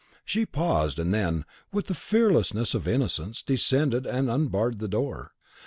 She paused, and then, with the fearlessness of innocence, descended and unbarred the door.